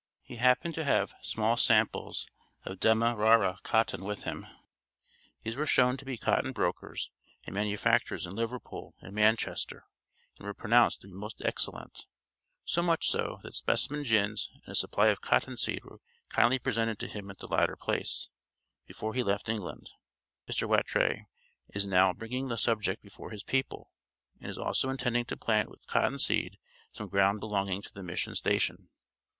He happened to have small samples of Demerara cotton with him. These were shown to cotton brokers and manufacturers in Liverpool and Manchester, and were pronounced to be most excellent so much so, that specimen gins and a supply of cotton seed were kindly presented to him at the latter place, before he left England. Mr. Rattray is now bringing the subject before his people, and is also intending to plant with cotton some ground belonging to the Mission station.